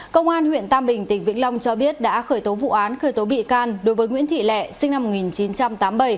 công an huyện tam bình tỉnh vĩnh long cho biết đã khởi tố vụ án khởi tố bị can đối với nguyễn thị lẹ sinh năm một nghìn chín trăm tám mươi bảy